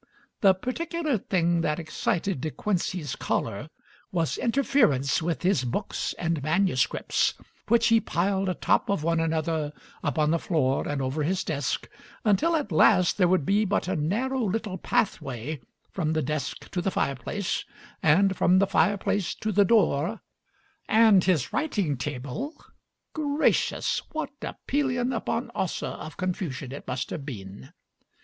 The particular thing that excited De Quincey's choler was interference with his books and manuscripts, which he piled atop of one another upon the floor and over his desk, until at last there would be but a narrow little pathway from the desk to the fireplace and from the fireplace to the door; and his writing table gracious! what a Pelion upon Ossa of confusion it must have been!